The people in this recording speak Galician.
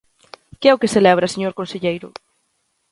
¿Que é o que celebra, señor conselleiro?